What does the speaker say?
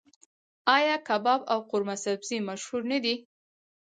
آیا کباب او قورمه سبزي مشهور نه دي؟